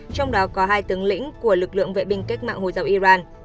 trong đó có hai tướng lĩnh của lực lượng vệ binh cách mạng hồi giáo iran